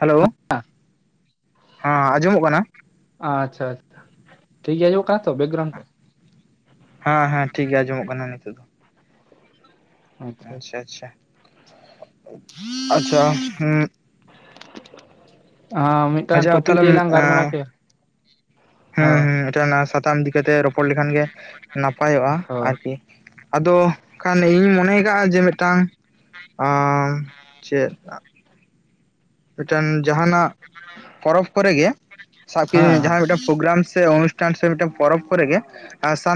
Hello. ᱦᱮᱸ ᱟᱸᱡᱚᱢᱼᱚᱜ ᱠᱟᱱᱟ? ᱟᱪᱪᱷᱟ ᱟᱪᱪᱷᱟ᱾ ᱴᱷᱤᱠ ᱜᱮ ᱟᱸᱡᱚᱢᱼᱚᱜ ᱠᱟᱱᱟ ᱛᱚ ᱵᱮᱠᱜᱨᱩᱱᱰ ᱠᱚ? ᱦᱮᱸ ᱦᱮᱸ ᱴᱷᱤᱠ ᱜᱮ ᱟᱸᱡᱚᱢᱼᱚᱜ ᱠᱟᱱᱟ ᱱᱤᱛᱚᱜ ᱫᱚ᱾ ᱟᱪᱪᱷᱟ ᱟᱪᱪᱷᱟ ᱦᱩᱸ [inaudible] ᱢᱤᱫᱴᱟᱝ ᱟᱪᱪᱷᱟ ᱴᱚᱯᱤᱠ ᱛᱟᱦᱚᱞᱮ ᱞᱟᱹᱭᱮ ᱞᱟᱝ ᱜᱟᱞᱢᱟᱨᱟᱣ ᱮᱸ ᱠᱮᱫᱭᱟ᱾ ᱦᱩᱸ ᱦᱩᱸ ᱢᱤᱫᱴᱟᱝ ᱱᱟᱣᱟ ᱥᱟᱛᱟᱢ ᱤᱫᱤ ᱠᱟᱛᱮ ᱨᱚᱯᱚᱲ ᱞᱮᱠᱷᱟᱱ ᱜᱮ ᱱᱟᱯᱟᱭᱚᱜᱼᱟ ᱦᱚᱸ ᱟᱨᱠᱤ᱾ ᱟᱫᱚ ᱠᱷᱟᱱ ᱤᱧᱤᱧ ᱢᱚᱱᱮᱭ ᱠᱟᱜᱼᱟ ᱡᱮ ᱢᱤᱫᱴᱟᱝ ᱟ ᱪᱮᱫ᱾ ᱢᱤᱫᱴᱮᱱ ᱡᱟᱸᱦᱟᱱᱼᱟᱜ ᱯᱚᱨᱚᱵ ᱠᱚᱨᱮᱜᱤ ᱥᱟᱵ ᱦᱮᱸ ᱠᱤᱫᱤᱧ ᱡᱟᱦᱟᱸ ᱢᱤᱫᱴᱮᱱ ᱯᱨᱜᱨᱟᱢ ᱥᱮ ᱚᱱᱩᱥᱴᱷᱟᱱ ᱥᱮ ᱢᱤᱫᱴᱟᱝ ᱯᱚᱨᱚᱵᱽ ᱠᱚᱨᱮᱜ ᱜᱮ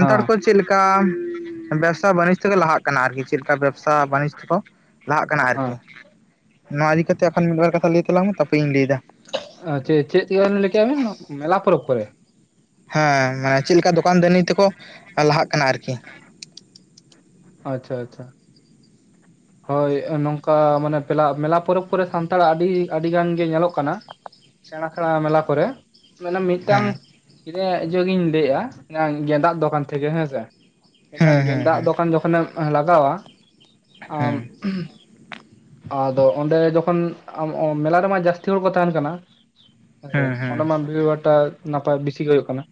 ᱦᱮᱸ ᱠᱚ ᱪᱮᱫ ᱞᱮᱠᱟ ᱪᱮᱫ ᱞᱮᱠᱟ ᱵᱮᱵᱽᱥᱟ ᱵᱟᱹᱱᱤᱡᱽ ᱛᱮᱠᱚ ᱞᱟᱦᱟᱜ ᱠᱟᱱᱟ ᱟᱨᱠᱤ ᱪᱮᱫ ᱞᱮᱠᱟ ᱵᱮᱵᱽᱥᱟ ᱵᱟᱹᱱᱤᱡᱽ ᱛᱮᱠᱚ ᱞᱟᱦᱟᱜ ᱠᱟᱱᱟ ᱦᱮᱸ ᱟᱨᱠᱤ ᱱᱚᱣᱟ ᱤᱫᱤ ᱠᱟᱛᱮ ᱮᱠᱷᱚᱱ ᱢᱤᱫᱵᱟᱨ ᱠᱟᱛᱷᱟ ᱞᱟᱹᱭ ᱛᱟᱞᱟᱝ ᱢᱮ? ᱛᱟᱯᱮ ᱤᱧ ᱞᱟᱹᱭ ᱮᱫᱟ᱾ ᱪᱮ ᱪᱮᱫ ᱪᱮᱫᱪᱤᱠᱟᱸᱭ ᱞᱟᱭ ᱠᱮᱜᱼᱟ ᱵᱤᱱ ᱢᱮᱞᱟ ᱯᱚᱨᱚᱵᱽ ᱠᱚᱨᱮ? ᱦᱮᱸ ᱢᱟᱱᱮ ᱪᱮᱫ ᱞᱮᱠᱟ ᱫᱚᱠᱟᱱ ᱫᱟᱹᱱᱤ ᱛᱮᱠᱚ ᱞᱟᱦᱟᱜ ᱠᱟᱱᱟ ᱟᱨᱠᱤ? ᱟᱪᱪᱷᱟ ᱟᱪᱪᱷᱟ᱾ ᱦᱳᱭ ᱱᱚᱝᱠᱟ ᱢᱟᱱᱮ ᱯᱮᱞᱟ ᱢᱮᱞᱟ ᱯᱚᱨᱚᱵᱽ ᱠᱚᱨᱮ ᱥᱟᱱᱛᱟᱲᱟᱜ ᱟᱹᱰᱤ ᱟᱹᱰᱤ ᱜᱟᱱ ᱜᱮ ᱧᱮᱞᱚᱜ ᱠᱟᱱᱟ। ᱥᱮᱸᱲᱟ ᱥᱮᱸᱲᱟ ᱢᱮᱞᱟ ᱠᱚᱨᱮ। ᱢᱟᱱᱮ ᱢᱤᱫᱴᱟᱝ ᱦᱮᱸ ᱠᱤᱨᱤᱧᱟᱜ ᱤᱭᱟᱹ ᱜᱤᱧ ᱞᱟᱹᱭᱮᱜᱼᱟ ᱜᱮᱸᱫᱟᱜ ᱫᱚᱠᱟᱱ ᱛᱷᱮᱠᱮ ᱦᱮᱸᱥᱮ᱾ ᱢᱤᱫᱴᱟᱝ ᱦᱮᱸ ᱦᱮᱸ ᱜᱮᱸᱫᱟᱜ ᱦᱮᱸ ᱫᱚᱠᱟᱱ ᱡᱚᱠᱷᱚᱱᱮᱢ ᱞᱟᱜᱟᱣᱟ᱾ ᱟᱢ ᱦᱮᱸ ᱼᱼ ᱟᱫᱚ ᱚᱸᱰᱮ ᱡᱚᱠᱷᱚᱱ ᱟᱢ ᱚᱸ ᱢᱮᱞᱟ ᱨᱮᱢᱟ ᱡᱟᱹᱥᱛᱤ ᱦᱚᱲ ᱠᱚ ᱛᱟᱦᱮᱱ ᱠᱟᱱᱟ। ᱦᱮᱸ ᱥᱮ ᱚᱸᱰᱮ ᱢᱟ ᱵᱷᱤᱲᱼᱵᱷᱟᱴᱟ ᱱᱟᱯᱟᱭ ᱵᱮᱥᱤ ᱜᱮ ᱦᱩᱭᱩᱜ ᱠᱟᱱᱟ᱾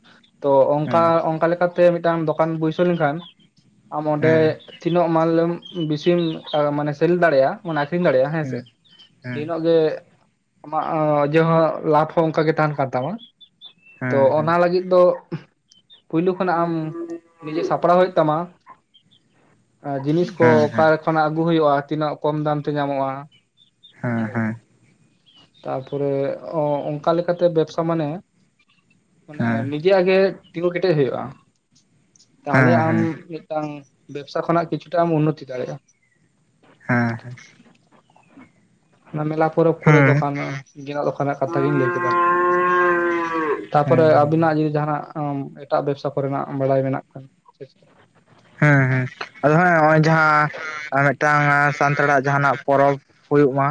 ᱛᱚ ᱚᱱᱠᱟ ᱦᱮᱸ ᱚᱱᱠᱟ ᱞᱮᱠᱟ ᱼᱼ ᱛᱮ ᱢᱤᱫᱴᱟᱝ ᱫᱚᱠᱟᱱ ᱵᱟᱹᱭᱥᱟᱹᱣ ᱞᱮᱱᱠᱷᱟᱱ ᱟᱢ ᱦᱮᱸ ᱦᱮᱸ ᱦᱮᱸ ᱦᱮᱸ ᱦᱮᱸ ᱦᱮᱸ ᱦᱮᱸ ᱦᱮᱸ ᱦᱮᱸ ᱦᱮᱸ ᱦᱮᱸ ᱚᱸᱰᱮ ᱦᱮᱸ ᱛᱤᱱᱟᱹᱜ ᱢᱟᱞᱮᱢ ᱼᱼ [inaudible] ᱪᱮᱢ [unintelligible] ᱢᱟᱱᱮ ᱥᱮᱞ ᱫᱟᱲᱮᱭᱟᱜᱼᱟ ᱢᱟᱱᱮ ᱟᱠᱷᱨᱤᱧ ᱫᱟᱲᱮᱭᱟᱜᱼᱟ ᱦᱮᱸ ᱥᱮ ᱤᱱᱟᱹᱜ [unintelligible] ᱜᱮ ᱼᱼ ᱟᱢᱟᱜ ᱚ ᱡᱮᱦᱚᱸ ᱞᱟᱵᱷ ᱦᱚᱸ ᱚᱱᱠᱟ ᱜᱮ ᱛᱟᱦᱮᱱ ᱠᱟᱱ ᱛᱟᱢᱟ᱾ ᱛᱚ ᱚᱱᱟ ᱦᱮᱸ ᱞᱟᱹᱜᱤᱫ ᱼᱼ ᱫᱚ ᱯᱩᱭᱞᱩ ᱠᱷᱚᱱᱟᱜ ᱟᱢ ᱱᱤᱡᱮ ᱥᱟᱯᱲᱟᱣ ᱦᱩᱭᱩᱜ ᱛᱟᱢᱟ। ᱡᱤᱱᱤᱥ ᱠᱚ ᱚᱠᱟ ᱠᱷᱚᱱᱟᱜ ᱟᱹᱜᱩ ᱦᱩᱭᱩᱜᱼᱟ ᱛᱤᱱᱟᱹᱜ ᱠᱚᱢ ᱫᱟᱢ ᱛᱮ ᱧᱟᱢᱚᱜᱼᱟ ᱦᱳᱭ ᱛᱟᱨᱯᱚᱨᱮ ᱚᱸ ᱚᱱᱠᱟ ᱞᱮᱠᱟᱛᱮ ᱵᱮᱵᱽᱥᱟ ᱢᱟᱱᱮ ᱢᱟᱱᱮ [inaudible] ᱡᱤᱡᱮ ᱟᱜᱮ ᱛᱤᱸᱜᱩ ᱠᱮᱴᱮᱡ ᱦᱩᱭᱩᱜᱼᱟ ᱛᱟᱦᱟᱞᱮ ᱟᱢ ᱢᱤᱫ ᱼᱼ ᱢᱤᱫᱴᱟᱝ ᱵᱮᱵᱽᱥᱟ ᱠᱷᱚᱱᱟᱜ ᱠᱤᱪᱷᱩᱴᱟᱜ ᱮᱢ ᱩᱱᱱᱚᱛᱤ ᱫᱟᱲᱮᱜᱼᱟ। ᱦᱮᱸ ᱦᱮᱸ ᱚᱱᱟ ᱢᱮᱞᱟ ᱯᱚᱨᱚᱵᱽ ᱠᱚᱨᱮ ᱫᱚᱠᱟᱱ ᱜᱮ ᱫᱚᱠᱟᱱ ᱨᱮᱱᱟᱜ ᱠᱟᱛᱷᱟ ᱜᱤᱧ ᱞᱟᱹᱭ ᱠᱮᱫᱟ ᱟᱨᱠᱤ। ᱛᱟᱯᱚᱨᱮ ᱦᱮᱸ ᱟᱵᱤᱱᱟᱜ ᱡᱩᱫᱤ ᱡᱟᱦᱟᱱᱟᱜ ᱟᱢ ᱮᱠ ᱮᱴᱟᱜ ᱵᱮᱵᱽᱥᱟ ᱠᱚᱨᱮᱱᱟᱜ ᱵᱟᱲᱟᱭ ᱢᱮᱱᱟᱜ ᱠᱷᱟᱱ ᱥᱮ ᱪᱮᱫ [inaudible] ᱦᱮᱸ ᱦᱮᱸ ᱟᱫᱚ ᱦᱮᱸ ᱱᱚᱜᱼᱚᱭ ᱡᱟᱦᱟᱸ ᱢᱤᱫᱴᱟᱝ ᱥᱟᱱᱛᱟᱲᱟᱜ ᱡᱟᱦᱟᱸᱱᱟᱜ ᱯᱚᱨᱚᱵᱽ ᱦᱩᱭᱩᱜ ᱢᱟ।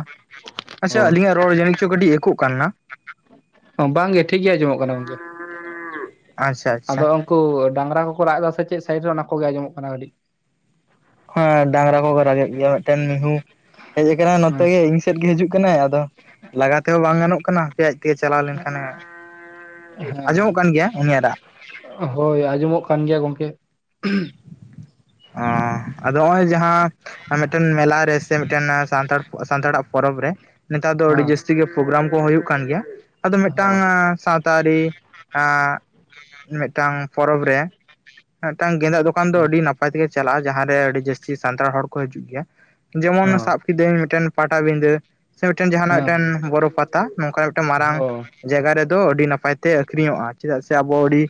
ᱟᱪᱪᱷᱟ ᱚ ᱟᱹᱞᱤᱧᱟᱜ ᱨᱚᱲ ᱡᱟᱹᱱᱤᱡ ᱪᱚ ᱠᱟᱹᱴᱤᱡ ᱮᱠᱚᱜ ᱠᱟᱱᱟ। ᱵᱟᱝᱜᱮ ᱴᱷᱤᱠ ᱜᱮ ᱟᱸᱡᱚᱢᱚᱜ ᱠᱟᱱᱟ ᱜᱚᱝᱠᱮ ᱟᱪᱪᱷᱟ ᱟᱪᱪᱷᱟ ᱟᱫᱚ ᱼᱼ ᱩᱱᱠᱩ ᱰᱟᱝᱨᱟ ᱠᱚᱠᱚ ᱨᱟᱜ ᱮᱫᱟ ᱥᱮ ᱪᱮᱫ ᱥᱟᱭᱤᱰ ᱨᱮ ᱚᱱᱟ ᱠᱚᱜᱮ ᱟᱸᱡᱚᱢᱚᱜ ᱠᱟᱱᱟ ᱠᱟᱹᱴᱤᱡ। ᱦᱮᱸ ᱰᱟᱝᱨᱟ ᱠᱚ ᱠᱚ ᱨᱟᱜ ᱮᱫ ᱜᱮᱭᱟ ᱢᱤᱫᱴᱮᱱ ᱢᱤᱦᱩ। ᱦᱮᱡ ᱟᱠᱟᱱᱟᱭ ᱱᱚᱛᱮ ᱜᱮ ᱤᱧ ᱥᱮᱫ ᱜᱮ ᱦᱤᱡᱩᱜ ᱠᱟᱱᱟᱭ᱾ ᱟᱫᱚ ᱞᱟᱜᱟ ᱛᱮᱦᱚᱸ ᱵᱟᱝ ᱜᱟᱱᱚᱜ ᱠᱟᱱᱟ᱾ ᱦᱟᱯᱮ ᱟᱡ ᱼᱼ ᱛᱮ ᱪᱟᱞᱟᱣ ᱞᱮᱱᱠᱷᱟᱱᱮ ᱦᱮᱸ ᱟᱸᱡᱚᱢᱚᱜ ᱠᱟᱱ ᱜᱮᱭᱟ ᱩᱱᱤᱭᱟᱜ ᱨᱟᱜ? ᱦᱳᱭ ᱟᱸᱡᱚᱢᱚᱜ ᱠᱟᱱ ᱜᱮᱭᱟ ᱜᱚᱢᱠᱮ। ᱚᱸᱻ ᱟᱫᱚ ᱱᱚᱜᱼᱚᱭ ᱡᱟᱦᱟᱸ ᱢᱟᱱᱮ ᱢᱤᱫᱴᱮᱱ ᱢᱮᱞᱟ ᱨᱮ ᱼᱼ ᱥᱮ ᱢᱤᱫᱴᱮᱱ ᱥᱟᱱᱛᱟᱲ ᱥᱟᱱᱛᱟᱲᱟᱜ ᱯᱚᱨᱚᱵᱽ ᱨᱮ ᱱᱮᱛᱟᱨ ᱫᱚ ᱟᱹᱰᱤ ᱦᱮᱸ ᱡᱟᱹᱥᱛᱤ ᱜᱮ ᱯᱨᱳᱜᱨᱟᱢ ᱠᱚ ᱦᱩᱭᱩᱜ ᱠᱟᱱ ᱜᱮᱭᱟ। ᱟᱫᱚ ᱢᱤᱫᱴᱟᱝ ᱦᱚᱸ ᱥᱟᱶᱛᱟ ᱟᱹᱨᱤ [unintelligible] ᱟᱸ ᱢᱤᱫᱴᱟᱝ ᱯᱚᱨᱚᱵᱽ ᱨᱮ᱾ ᱢᱤᱫᱴᱟᱝ ᱜᱮᱸᱫᱟᱜ ᱫᱚᱠᱟᱱ ᱫᱚ ᱟᱹᱰᱤ ᱱᱟᱯᱟᱭ ᱛᱮᱜᱮ ᱪᱟᱞᱟᱜᱼᱟ ᱡᱟᱦᱟᱸᱨᱮ ᱟᱹᱰᱤ ᱡᱟᱹᱥᱛᱤ ᱥᱟᱱᱛᱟᱲ ᱦᱚᱲ ᱠᱚ ᱦᱤᱡᱩᱜ ᱜᱮᱭᱟ। ᱡᱮᱢᱚᱱ ᱦᱚᱸ ᱥᱟᱵ ᱠᱤᱫᱟᱹᱧ ᱢᱤᱫᱴᱷᱮᱱ ᱯᱟᱴᱟᱵᱤᱫᱷᱟᱹ। ᱥᱮ ᱢᱤᱫᱴᱮᱱ ᱡᱟᱦᱟᱱᱟᱜ ᱢᱤᱫᱴᱮᱱ ᱦᱮᱸ ᱵᱚᱨᱚᱯᱷ [unintelligible] ᱯᱟᱛᱟ᱾ ᱱᱚᱝᱠᱟᱱᱟᱜ ᱢᱤᱫᱴᱟᱝ ᱢᱟᱨᱟᱝ ᱦᱚᱸ ᱼᱼ ᱡᱟᱭᱜᱟ ᱨᱮᱫᱚ ᱟᱹᱰᱤ ᱱᱟᱯᱟᱭ ᱛᱮ ᱟᱹᱠᱷᱨᱤᱧᱚᱜᱼᱟ ᱪᱮᱫᱟᱜ ᱥᱮ ᱟᱵᱚ ᱟᱹᱰᱤ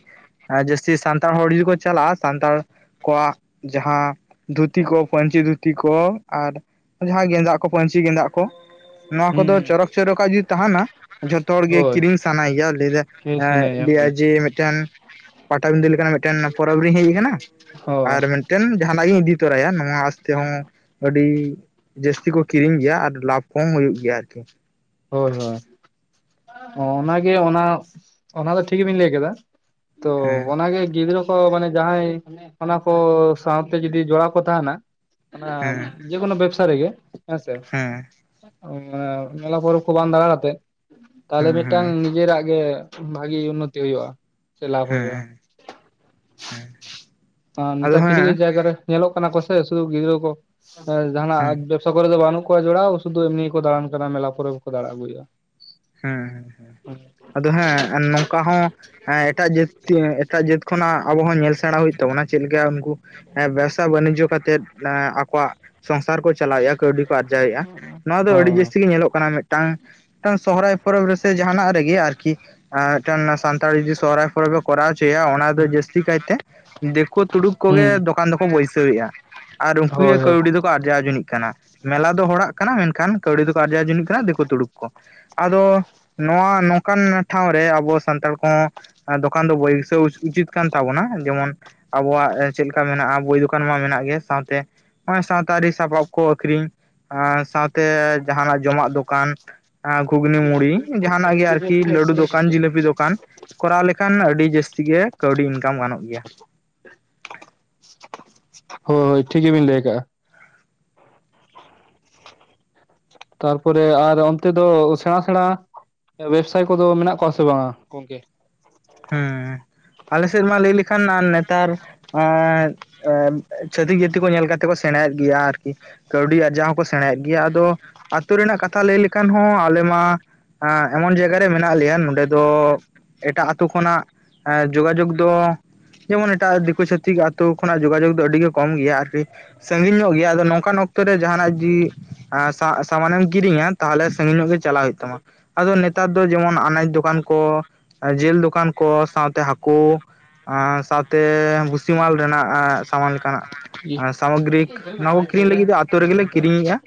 ᱡᱟᱹᱥᱛᱤ ᱥᱟᱱ ᱼᱼ ᱥᱟᱱᱛᱟᱲ ᱦᱚᱲ ᱡᱩᱫᱤ [inaudible] ᱠᱚ ᱪᱟᱞᱟᱜᱼᱟ᱾ ᱥᱟᱱᱛᱟᱲ ᱠᱚᱣᱟᱜ ᱼᱼ ᱡᱟᱦᱟᱸ ᱫᱷᱩᱛᱤ ᱠᱚ ᱯᱟᱹᱧᱪᱤ ᱫᱷᱩᱛᱤ ᱠᱚ᱾ ᱟᱨ ᱼᱼ ᱡᱟᱦᱟᱸ ᱜᱮᱸᱫᱟᱜ ᱠᱚ ᱯᱟᱹᱧᱪᱤ ᱜᱮᱸᱫᱟᱜ ᱠᱚ ᱱᱚᱣᱟ ᱠᱚᱫᱚ ᱦᱩᱸ ᱪᱚᱨᱚᱠ ᱪᱚᱨᱚᱠᱟᱜ ᱡᱩᱫᱤ ᱛᱟᱦᱮᱱᱟ ᱼᱼ ᱡᱷᱚᱛᱚ ᱦᱚᱲᱜᱮ ᱦᱳᱭ ᱠᱤᱨᱤᱧ ᱥᱟᱱᱟᱭᱮᱭᱟ᱾ ᱞᱟᱹᱭᱟ ᱮ ᱞᱟᱹᱭᱟᱭ ᱦᱳᱭ ᱡᱮ ᱢᱤᱫᱴᱮᱱ ᱼᱼ ᱯᱟᱴᱟᱵᱤᱫᱷᱟᱹ ᱞᱮᱠᱟᱱᱟᱜ ᱢᱤᱫᱴᱮᱱ ᱯᱚᱨᱚᱵᱽ ᱨᱤᱧ ᱦᱮᱡ ᱟᱠᱟᱱᱟ। ᱦᱳᱭ ᱟᱨ ᱢᱤᱫᱴᱮᱱ ᱡᱟᱦᱟᱱᱟᱜ ᱜᱤᱧ ᱤᱫᱤ ᱛᱚᱨᱟᱭᱟ᱾ ᱱᱚᱣᱟ ᱟᱥ ᱛᱮᱦᱚᱸ ᱼᱼ ᱟᱹᱰᱤ ᱡᱟᱹᱥᱛᱤ ᱠᱚ ᱠᱤᱨᱤᱧ ᱜᱮᱭᱟ ᱟᱨ ᱞᱟᱵᱷ ᱠᱚ ᱦᱚᱸ ᱦᱩᱭᱩᱜ ᱜᱮᱭᱟ ᱟᱨᱠᱤ। ᱦᱳᱭ ᱦᱳᱭ ᱦᱚᱸ ᱚᱱᱟᱜᱮ ᱚᱱᱟ ᱚᱱᱟ ᱫᱚ ᱴᱷᱤᱠ ᱜᱮᱵᱤᱱ ᱞᱟᱹᱭ ᱠᱮᱫᱟ। ᱛᱚ ᱦᱮᱸ ᱚᱱᱟᱜᱮ ᱜᱤᱫᱽᱨᱟᱹ ᱼᱼ ᱠᱚ ᱢᱟᱱᱮ ᱡᱟᱦᱟᱸᱭ ᱚᱱᱟ ᱠᱚ ᱥᱟᱶᱛᱮ ᱡᱩᱫᱤ ᱡᱚᱲᱟᱣ ᱠᱚ ᱛᱟᱦᱮᱱᱟ᱾ ᱚᱱᱟ ᱦᱮᱸ ᱼᱼ ᱡᱮᱠᱳᱱᱳ ᱵᱮᱵᱽᱥᱟ ᱨᱮᱜᱮ ᱦᱮᱸ ᱥᱮ ᱢᱮᱞᱟ ᱯᱚᱨᱚᱵᱽ ᱠᱚ ᱵᱟᱝ ᱫᱟᱸᱬᱟ ᱠᱟᱛᱮᱫ ᱼᱼ ᱛᱟᱦᱟᱞᱮ ᱦᱮᱸ ᱦᱮᱸ ᱢᱤᱫᱴᱟᱝ ᱦᱮᱸ ᱱᱤᱡᱮᱨᱟᱜ ᱜᱮ ᱵᱷᱟᱹᱜᱤ ᱩᱱᱱᱚᱛᱤ ᱦᱩᱭᱩᱜᱼᱟ। ᱥᱮ ᱞᱟᱵᱷ ᱦᱩᱭᱩᱜᱼᱟ᱾ ᱦᱮᱸ ᱦᱮᱸ ᱛᱚ ᱟᱫᱚ ᱱᱮᱛᱟᱨ ᱠᱤᱪᱷᱩ ᱦᱮᱸ ᱠᱤᱪᱷᱩ ᱡᱟᱭᱜᱟ ᱨᱮ ᱼᱼ ᱧᱮᱞᱚᱜ ᱠᱟᱱᱟ ᱠᱚ ᱥᱮ ᱥᱩᱫᱩ ᱜᱤᱫᱽᱨᱟᱹ ᱠᱚ ᱦᱮᱸ ᱦᱮᱸ ᱡᱟᱦᱟᱱᱟᱜ ᱼᱻ ᱵᱮᱵᱽ [inaudible] ᱥᱟ ᱠᱚᱨᱮ ᱫᱚ ᱵᱟᱹᱱᱩᱜ ᱠᱚᱣᱟ ᱡᱚᱲᱟᱣ ᱥᱩᱫᱷᱩ ᱮᱢᱱᱤ ᱜᱮ ᱠᱚ ᱫᱟᱬᱟᱱ ᱠᱟᱱᱟ ᱢᱮᱞᱟ ᱠᱚᱨᱮ ᱜᱮᱠᱚ ᱫᱟᱸᱲᱟ ᱟᱹᱜᱩᱭᱟ। ᱦᱮᱸ ᱦᱮᱸ ᱦᱮᱸ ᱟᱫᱚ ᱦᱮᱸ ᱱᱚᱝᱠᱟ ᱦᱚᱸ ᱼᱼ ᱦᱮᱸ ᱮᱴᱟᱜ ᱡᱟᱹᱛᱤ ᱮᱴᱟᱜ ᱡᱟᱹᱛ ᱠᱷᱚᱱᱟᱜ ᱟᱵᱚ ᱦᱚᱸ ᱧᱮᱞ ᱥᱮᱬᱟ ᱦᱩᱭᱩᱜ ᱛᱟᱵᱚᱱᱟ ᱪᱮᱫ ᱞᱮᱠᱟ ᱩᱱᱠᱩ ᱦᱮᱸ ᱵᱮᱥ ᱼᱼ ᱵᱮᱯᱥᱟ ᱵᱟᱱᱤᱡᱽᱡᱚ ᱠᱟᱛᱮᱫ ᱟᱠᱚᱣᱟᱜ ᱥᱚᱝᱥᱟᱨ ᱠᱚ ᱪᱟᱞᱟᱣᱮᱜᱼᱟ ᱠᱟᱹᱣᱰᱤ ᱠᱚ ᱟᱨᱡᱟᱣᱮᱜᱼᱟ ᱱᱚᱣᱟ ᱫᱚ ᱟᱹᱰᱤ ᱦᱚᱸ ᱡᱟᱹᱥᱛᱤ ᱜᱮ ᱧᱮᱞᱚᱜ ᱠᱟᱱᱟ ᱢᱤᱫᱴᱟᱝ ᱢᱤᱫᱴᱟᱝ ᱥᱚᱦᱨᱟᱭ ᱯᱚᱨᱚᱵᱽ ᱨᱮᱥᱮ ᱡᱟᱦᱟ ᱱᱟᱜ ᱨᱮᱜᱮ ᱟᱨᱠᱤ ᱟᱨ ᱢᱤᱫᱴᱟᱝ ᱥᱟᱱᱛᱟᱲᱤ ᱡᱮ ᱥᱚᱦᱚᱨᱟᱭ ᱯᱚᱨᱚᱵᱽ ᱮ ᱠᱚᱨᱟᱣ ᱦᱚᱪᱚᱭᱟ ᱚᱱᱟ ᱫᱚ ᱡᱟᱹᱥᱛᱤ ᱠᱟᱭᱛᱮ ᱫᱮᱠᱩ ᱛᱩᱲᱩᱠ ᱦᱩᱸ ᱠᱚᱜᱮ ᱫᱚᱠᱟᱱ ᱫᱚᱠᱚ ᱵᱟᱹᱭᱥᱟᱹᱣᱮᱜᱼᱟ ᱟᱨ ᱩᱱᱠᱩ ᱜᱮ ᱦᱳᱭ ᱦᱳᱭ ᱠᱟᱹᱣᱰᱤ ᱫᱚᱠᱚ ᱟᱨᱡᱟᱣ ᱟᱨ ᱟᱨ ᱟᱨ ᱩᱱᱠᱩ ᱜᱮ ᱠᱟᱹᱣᱰᱤ ᱫᱚᱠᱚ ᱟᱨᱡᱟᱣ ᱡᱚᱱᱤᱡ ᱠᱟᱱᱟ ᱢᱮᱞᱟ ᱫᱚ ᱦᱚᱲᱟᱜ ᱠᱟᱱᱟ ᱢᱮᱱᱠᱷᱟᱱ ᱠᱟᱹᱣᱰᱤ ᱫᱚᱠᱚ ᱟᱨᱡᱟᱣ ᱡᱚᱱᱤᱡ ᱠᱟᱱᱟ ᱫᱤᱠᱩ ᱛᱩᱲᱩᱠ ᱠᱚ ᱟᱫᱚ ᱱᱚᱣᱟ ᱱᱚᱝᱠᱟᱱ ᱴᱷᱟᱶ ᱨᱮ ᱟᱵᱚ ᱥᱟᱱᱛᱟᱲ ᱠᱚᱦᱚᱸ ᱮ ᱫᱚᱠᱟᱱ ᱫᱚ ᱵᱟᱹᱭᱥᱟᱹᱣ ᱩᱪᱤᱛ ᱠᱟᱱ ᱛᱟᱵᱚᱱᱟ ᱡᱮᱢᱚᱱ ᱟᱵᱚᱣᱟᱜ ᱪᱮᱫᱠᱟ ᱢᱮᱱᱟᱜᱼᱟ ᱵᱳᱭ ᱫᱚᱠᱟᱱ ᱢᱟ ᱢᱮᱱᱟᱜ ᱜᱮ ᱥᱟᱶᱛᱮ ᱱᱚᱜᱼᱚᱭ ᱥᱟᱶᱛᱟ ᱟᱹᱨᱤ ᱥᱟᱯᱟᱵ ᱠᱚ ᱟᱹᱠᱷᱨᱤᱝ ᱟᱨ ᱥᱟᱶᱛᱮ ᱡᱟᱦᱟᱸᱱᱟᱜ ᱡᱚᱢᱟᱜ ᱫᱚᱠᱟᱱ ᱜᱷᱩᱜᱽᱱᱤ ᱦᱳᱭ ᱢᱩᱲᱤ ᱡᱟᱦᱟᱱᱟᱜ ᱜᱮ ᱟᱨᱠᱤ ᱞᱟᱹᱰᱩ ᱫᱚᱠᱟᱱ ᱡᱤᱞᱟᱹᱯᱤ ᱫᱚᱠᱟᱱ ᱠᱚᱨᱟᱣ ᱞᱮᱠᱷᱟᱱ ᱟᱹᱰᱤ ᱡᱟᱹᱥᱛᱤ ᱜᱮ ᱠᱟᱹᱣᱰᱤ ᱤᱱᱠᱟᱢ ᱜᱟᱱᱚᱜ ᱜᱮᱭᱟ ᱦᱳᱭ ᱦᱳᱭ ᱴᱷᱤᱠ ᱜᱮᱵᱤᱱ ᱞᱟᱹᱭ ᱠᱟᱜᱼᱟ ᱛᱟᱨᱯᱚᱨᱮ ᱟᱨ ᱚᱱᱛᱮ ᱫᱚ ᱥᱮᱬᱟ ᱥᱮᱬᱟ ᱵᱮᱵᱽᱥᱟᱭᱤ ᱠᱚᱫᱚ ᱢᱮᱱᱟᱜ ᱠᱚᱣᱟ ᱥᱮ ᱵᱟᱝᱟ ᱜᱚᱝᱠᱮ? ᱦᱮᱸ ᱟᱞᱮ ᱥᱮᱫ ᱢᱟ ᱞᱟᱹᱭ ᱞᱮᱠᱷᱟᱱ ᱱᱮᱛᱟᱨ ᱮᱸᱫ ᱮ ᱪᱷᱟᱹᱛᱤᱠ ᱡᱟᱹᱛᱤ ᱠᱚ ᱧᱮᱞ ᱠᱟᱛᱮᱫ ᱠᱚ ᱥᱮᱬᱟᱭᱮᱫ ᱜᱮᱭᱟ ᱟᱨᱠᱤ ᱠᱟᱹᱣᱰᱤ ᱟᱨᱟᱣ ᱦᱚᱸᱠᱚ ᱥᱮᱬᱟᱭᱮᱫ ᱜᱮᱭᱟ, ᱟᱫᱚ ᱟᱹᱛᱩ ᱨᱮᱱᱟᱜ ᱠᱟᱛᱷᱟ ᱞᱟᱹᱭ ᱞᱮᱠᱷᱟᱱ ᱦᱚᱸ ᱟᱞᱮ ᱢᱟ ᱮᱫ ᱮᱢᱚᱱ ᱡᱟᱭᱜᱟ ᱨᱮ ᱢᱮᱱᱟᱜ ᱞᱮᱭᱟ ᱱᱚᱰᱮ ᱫᱚ ᱮᱴᱟᱜ ᱟᱛᱩ ᱠᱷᱚᱱᱟᱜ ᱡᱳᱜᱟᱡᱳᱜᱽ ᱫᱚ ᱡᱮᱢᱚᱱ ᱮᱴᱟᱜ ᱫᱤᱠᱩ ᱪᱷᱟᱛᱤᱠ ᱟᱛᱳ ᱠᱷᱚᱱᱟᱜ ᱡᱳᱜᱟᱡᱳᱜᱽ ᱫᱚ ᱟᱹᱰᱤ ᱜᱮ ᱠᱚᱢ ᱜᱮᱭᱟ ᱟᱨᱠᱤ ᱥᱟᱺᱜᱤᱧ ᱧᱚᱜ ᱜᱮᱭᱟ ᱟᱫᱚ ᱱᱚᱝᱠᱟᱱ ᱚᱠᱛᱚ ᱨᱮ ᱡᱟᱦᱟᱱᱟᱜ ᱡᱤ ᱮ ᱥᱟ ᱥᱟᱢᱟᱱᱮᱢ ᱠᱤᱨᱤᱧᱟ ᱛᱟᱦᱚᱞᱮ ᱥᱟᱺᱜᱤᱧ ᱧᱚᱜ ᱜᱮ ᱪᱟᱞᱟᱜ ᱦᱩᱭᱩᱜ ᱛᱟᱢᱟ ᱟᱫᱚ ᱱᱮᱛᱟᱨ ᱫᱚ ᱡᱮᱢᱚᱱ ᱟᱱᱟᱡ ᱫᱚᱠᱟᱱ ᱠᱚ ᱡᱤᱞ ᱫᱚᱠᱟᱱ ᱠᱚ ᱥᱟᱶᱛᱮ ᱦᱟᱹᱠᱳ ᱥᱟᱶᱛᱮ ᱵᱷᱩᱥᱤᱢᱟᱞ ᱨᱮᱱᱟᱜ ᱥᱟᱢᱟᱱ ᱞᱮᱠᱟᱱᱟᱜ ᱥᱟᱢᱚᱜᱨᱤ ᱱᱚᱣᱟ ᱠᱚ ᱠᱤᱨᱤᱧ ᱞᱟᱹᱜᱤᱫ ᱫᱚ ᱟᱛᱳ ᱨᱮᱜᱮᱞᱮ ᱠᱤᱨᱤᱧᱮᱜᱼᱟ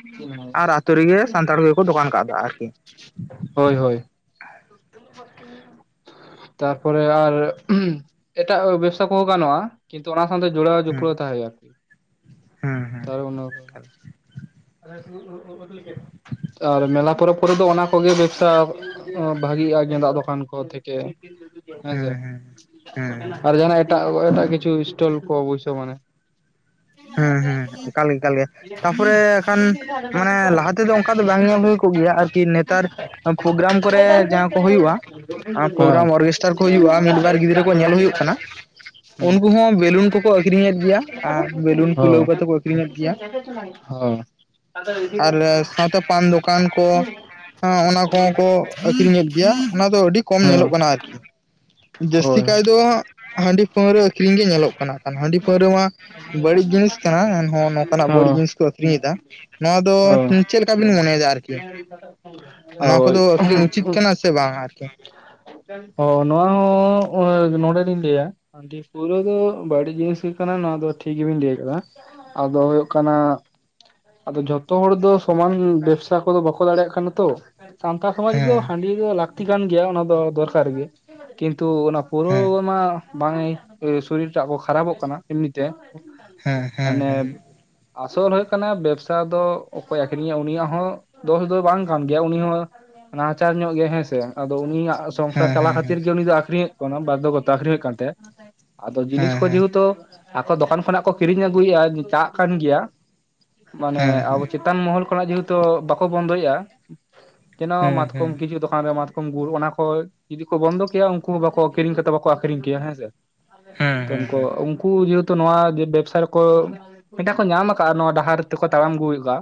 ᱟᱨ ᱟᱛᱳ ᱨᱮᱜᱮ ᱥᱟᱱᱛᱟᱲ ᱜᱮᱠᱚ ᱫᱚᱠᱟᱱ ᱠᱟᱫᱟ ᱟᱨᱠᱤ ᱦᱳᱭ ᱦᱳᱭ [inaudible] ᱛᱟᱨᱯᱚᱨᱮ ᱟᱨ ᱮᱴᱟᱜ ᱵᱮᱵᱥᱟ ᱠᱚᱦᱚᱸ ᱜᱟᱱᱚᱜᱼᱟ ᱠᱤᱱᱛᱩ ᱚᱱᱟ ᱥᱟᱶᱛᱮ ᱡᱳᱲᱟᱣ ᱦᱩᱸ ᱡᱩᱯᱲᱟᱣ ᱛᱟᱦᱮ ᱦᱳᱭᱳᱜᱼᱟ ᱟᱨᱠᱤ ᱦᱩᱸ ᱦᱩᱸ ᱛᱟᱨ ᱚᱱᱟ ᱟᱨ ᱢᱮᱞᱟ ᱯᱚᱨᱚᱵᱽ ᱠᱚᱨᱮ ᱫᱚ ᱚᱱᱟ ᱠᱚᱜᱮ ᱵᱮᱵᱽᱥᱟ ᱵᱷᱟᱜᱤᱜᱼᱟ ᱜᱮᱸᱫᱟᱜ ᱫᱚᱠᱟᱱ ᱠᱚ ᱛᱷᱮᱠᱮ ᱦᱮᱸ ᱦᱩᱸ ᱥᱮ ᱦᱩᱸ ᱦᱩᱸ ᱟᱨ ᱡᱟᱦᱟ ᱱᱟᱜ ᱮᱴᱟᱜ ᱮᱴᱟᱜ ᱠᱤᱪᱷᱩ ᱥᱴᱚᱞ ᱠᱚ ᱵᱟᱹᱭᱥᱟᱹᱣ ᱢᱟᱱᱮ ᱦᱩᱸ ᱦᱩᱸ ᱮᱠᱟᱞ ᱜᱮ ᱮᱠᱟᱞ ᱜᱮ [unintelligible] ᱛᱟᱯᱚᱨᱮ ᱠᱷᱟᱱ ᱢᱟᱱᱮ ᱞᱟᱦᱟ ᱛᱮᱫᱚ ᱚᱱᱠᱟ ᱫᱚ ᱵᱟᱝ ᱧᱮᱞ ᱦᱩᱭ ᱠᱚᱜ ᱜᱮᱭᱟ ᱟᱨᱠᱤ ᱱᱮᱛᱟᱨ ᱯᱨᱳᱜᱨᱟᱢ ᱠᱚᱨᱮ ᱡᱟᱦᱟᱸ ᱠᱚ ᱦᱩᱭᱩᱜᱼᱟ ᱯᱨᱳᱜᱨᱟᱢ ᱚᱨᱜᱮᱥᱴᱟᱨ ᱠᱚ ᱦᱩᱭᱩᱜᱼᱟ ᱢᱤᱫ ᱵᱟᱨ ᱜᱤᱫᱽᱨᱟᱹ ᱠᱚ ᱧᱮᱞ ᱦᱩᱭᱩᱜ ᱠᱟᱱᱟ ᱩᱱᱠᱩ ᱦᱚᱸ ᱵᱮᱞᱩᱱ ᱠᱚᱠᱚ ᱟᱠᱷᱨᱤᱧᱮᱫ ᱜᱮᱭᱟ ᱟᱨ ᱯᱷᱩᱞᱟᱹᱣ ᱠᱟᱛᱮ ᱠᱚ ᱟᱠᱷᱨᱤᱧᱮᱫ ᱜᱮᱭᱟ ᱟᱨ ᱥᱟᱶᱛᱮ ᱯᱟᱱ ᱫᱚᱠᱟᱱ ᱠᱚ ᱦᱚᱸ ᱚᱱᱟ ᱠᱚᱦᱚᱸ ᱠᱚ ᱟᱠᱷᱨᱤᱧᱮᱫ ᱜᱮᱭᱟ ᱚᱱᱟ ᱫᱚ ᱟᱹᱰᱤ ᱠᱚᱢ ᱧᱮᱞᱚᱜ ᱠᱟᱱᱟ ᱟᱨᱠᱤ ᱡᱟᱹᱥᱛᱤ ᱠᱟᱭ ᱫᱚ ᱦᱟᱜ ᱦᱟᱺᱰᱤ ᱯᱟᱹᱣᱨᱟᱹ ᱟᱹᱠᱷᱨᱤᱧ ᱜᱮ ᱧᱮᱞᱚᱜ ᱠᱟᱱᱟ ᱦᱟᱺᱰᱤ ᱯᱟᱹᱣᱨᱟᱹ ᱢᱟ ᱵᱟᱹᱲᱤᱡ ᱡᱤᱱᱤᱥ ᱠᱟᱱᱟ ᱮᱱᱦᱚᱸ ᱱᱚᱝᱠᱟᱱᱟᱜ ᱵᱟᱹᱲᱤᱡ ᱡᱤᱱᱤᱥ ᱠᱚ ᱟᱹᱠᱷᱨᱤᱧᱮᱫᱟ ᱱᱚᱣᱟ ᱫᱚ ᱪᱮᱫ ᱞᱮᱠᱟ ᱵᱤᱱ ᱢᱚᱱᱮᱭᱮᱫᱟ ᱟᱨᱠᱤ? ᱱᱚᱣᱟ ᱠᱚᱫᱚ ᱟᱹᱠᱷᱨᱤᱧ ᱩᱪᱤᱛ ᱠᱟᱱᱟ ᱥᱮ ᱵᱟᱝ ᱟᱨᱠᱤ? ᱦᱚ ᱱᱚᱣᱟ ᱦᱚᱸ ᱱᱚᱰᱮᱞᱤᱧ ᱞᱟᱹᱭᱟ ᱦᱟᱺᱰᱤ ᱯᱩᱨᱟᱹ ᱫᱚ ᱵᱟᱹᱲᱤᱡ ᱡᱤᱱᱤᱥ ᱜᱮ ᱠᱟᱱᱟ ᱱᱚᱣᱟ ᱫᱚ ᱴᱷᱤᱠ ᱜᱮᱵᱤᱱ ᱞᱟᱹᱭ ᱟᱠᱟᱫᱟ ᱟᱫᱚ ᱦᱩᱭᱩᱜ ᱠᱟᱱᱟ ᱟᱫᱚ ᱡᱷᱚᱛᱚ ᱦᱚᱲ ᱫᱚ ᱥᱚᱢᱟᱱ ᱵᱮᱵᱥᱟ ᱠᱚᱫᱚ ᱵᱟᱠᱚ ᱫᱟᱲᱮᱭᱟᱜ ᱠᱟᱱᱟ ᱛᱚ ᱥᱟᱱᱛᱟᱲ ᱥᱚᱢᱟᱡᱽ ᱨᱮ ᱫᱚ ᱦᱮᱸ ᱦᱟᱺᱰᱤ ᱫᱚ ᱞᱟᱹᱠᱛᱤ ᱠᱟᱱ ᱜᱮᱭᱟ ᱚᱱᱟ ᱫᱚ ᱫᱚᱨᱠᱟᱨ ᱜᱮ ᱠᱤᱱᱛᱩ ᱚᱱᱟ ᱯᱟᱹᱣᱨᱟᱹ ᱦᱮᱸ ᱨᱮᱢᱟ ᱵᱟᱝ ᱮ ᱥᱚᱨᱤᱨ ᱴᱟᱜ ᱠᱚ ᱠᱷᱟᱨᱟᱯᱚᱜ ᱠᱟᱱᱟ ᱮᱢᱱᱤ ᱛᱮ ᱦᱮᱸ ᱦᱮᱸ ᱢᱟᱱᱮ ᱦᱮᱸ ᱟᱥᱚᱞ ᱨᱮ ᱠᱟᱱᱟ ᱵᱮᱵᱥᱟ ᱫᱚ ᱚᱠᱚᱭ ᱟᱠᱷᱨᱤᱧᱟᱭ ᱩᱱᱤᱭᱟᱜ ᱦᱚᱸ ᱫᱚᱥ ᱫᱚ ᱵᱟᱝ ᱠᱟᱱ ᱜᱮᱭᱟ ᱩᱱᱤ ᱦᱚᱸ ᱱᱟᱦᱟᱪᱟᱨ ᱧᱚᱜ ᱜᱮ ᱦᱮᱸᱥᱮ ᱟᱫᱚ ᱩᱱᱤᱭᱟᱜ ᱥᱚᱝᱥᱟᱨ ᱦᱮᱸ ᱪᱟᱞᱟᱣ ᱦᱮᱸ ᱠᱷᱟᱛᱤᱨ ᱦᱮᱸ ᱜᱮ ᱩᱱᱤ ᱫᱚ ᱟᱠᱷᱨᱤᱧ ᱦᱩᱭᱩᱜ ᱠᱟᱱᱟ ᱵᱟᱫᱽᱫᱷᱚ ᱜᱚᱛᱚ ᱟᱠᱷᱨᱤᱧ ᱦᱩᱭᱩᱜ ᱠᱟᱱ ᱛᱟᱭᱟ ᱟᱫᱚ ᱡᱤᱱᱤᱥ ᱠᱚ ᱦᱮᱸ ᱡᱮᱦᱩᱛᱩ ᱟᱠᱚ ᱫᱚᱠᱟᱱ ᱠᱷᱚᱱᱟᱜ ᱠᱚ ᱠᱤᱨᱤᱧ ᱟᱹᱜᱩᱭᱮᱫᱼᱟ ᱪᱟᱞᱟᱜ ᱠᱟᱱ ᱜᱮᱭᱟ ᱢᱟᱱᱮ ᱦᱮᱸ ᱦᱮᱸ ᱦᱮᱸ ᱟᱵᱚ ᱦᱮᱸ ᱪᱮᱛᱟᱱ ᱢᱚᱦᱚᱞ ᱠᱷᱚᱱᱟᱜ ᱡᱮᱦᱮᱛᱩ ᱵᱟᱠᱚ ᱵᱚᱱᱫᱚᱭᱮᱫᱼᱟ ᱡᱮᱱᱚ ᱦᱮᱸ ᱢᱟᱛᱠᱚᱢ ᱦᱮᱸ ᱠᱤᱪᱷᱩ ᱫᱚᱠᱟᱱ ᱨᱮ ᱢᱟᱛ ᱜᱩᱲ ᱚᱱᱟ ᱠᱚ ᱡᱩᱫᱤ ᱠᱚ ᱵᱚᱱᱫᱚ ᱠᱮᱭᱟ ᱩᱱᱠᱩ ᱦᱚᱸ ᱵᱟᱠᱚ ᱠᱤᱨᱤᱧ ᱠᱟᱛᱮ ᱵᱟᱠᱚ ᱟᱠᱷᱨᱤᱧ ᱠᱮᱭᱟ ᱦᱮᱸ ᱥᱮ ᱦᱮᱸ ᱛ ᱦᱮᱸ ᱦᱮᱸ ᱩᱱᱠᱩ ᱡᱮᱦᱮᱛᱩ ᱱᱚᱣᱟ ᱵᱮᱵᱽᱥᱟ ᱨᱮᱠᱚ ᱢᱤᱫᱴ ᱠᱚ ᱧᱟᱢ ᱠᱟᱜᱼᱟ ᱱᱚᱣᱟ ᱰᱟᱦᱟᱨ ᱰᱟᱦᱟᱨ ᱛᱮᱠᱚ ᱛᱟᱲᱟᱢ ᱟᱹᱜᱩᱭᱮᱫᱟ